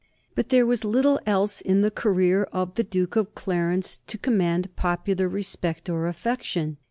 But there was little else in the career of the Duke of Clarence to command popular respect or affection.